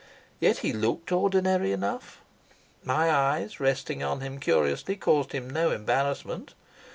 Yet he looked ordinary enough. My eyes, resting on him curiously, caused him no embarrassment.